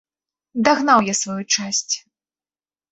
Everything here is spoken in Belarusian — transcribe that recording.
Дагнаў я сваю часць.